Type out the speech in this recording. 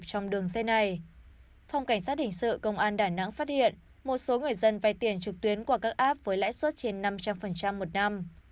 phòng cảnh sát hình sự công an đà nẵng phát hiện một số người dân vai tiền trực tuyến qua các app với lãi suất trên năm trăm linh một năm